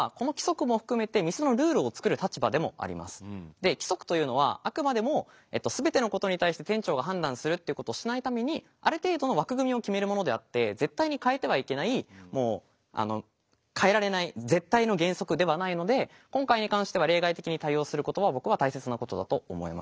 で規則というのはあくまでも全てのことに対して店長が判断するっていうことをしないためにある程度の枠組みを決めるものであって絶対に変えてはいけないもう変えられない絶対の原則ではないので今回に関しては例外的に対応することは僕は大切なことだと思います。